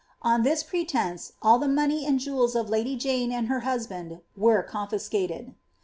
On this pretence all the money and jewds of lady Jane and her husband were confiscated.